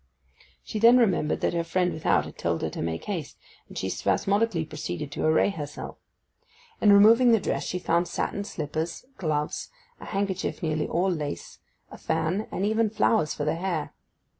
She then remembered that her friend without had told her to make haste, and she spasmodically proceeded to array herself. In removing the dress she found satin slippers, gloves, a handkerchief nearly all lace, a fan, and even flowers for the hair.